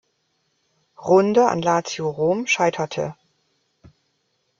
Runde an Lazio Rom scheiterte.